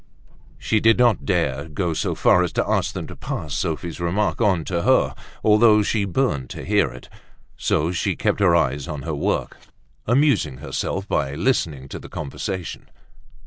She did not dare go so far as to ask them to pass Sophie's remark on to her although she burned to hear it. So she kept her eyes on her work, amusing herself by listening to the conversation.